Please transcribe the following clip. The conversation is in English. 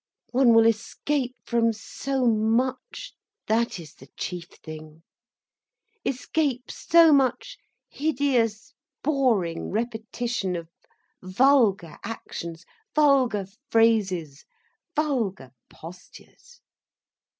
One will escape from so much, that is the chief thing, escape so much hideous boring repetition of vulgar actions, vulgar phrases, vulgar postures.